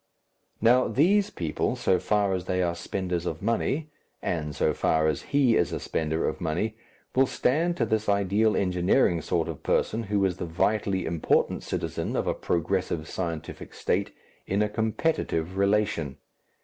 Now, these people, so far as they are spenders of money, and so far as he is a spender of money, will stand to this ideal engineering sort of person, who is the vitally important citizen of a progressive scientific State, in a competitive relation.